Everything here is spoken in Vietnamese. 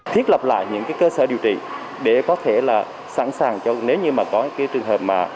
thiết lập lại những cơ sở điều trị để có thể sẵn sàng nếu có trường hợp biến chủng